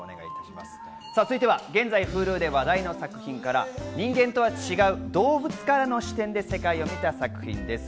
続いては現在、Ｈｕｌｕで話題の作品から人間とは違う動物からの視点で世界を見た作品です。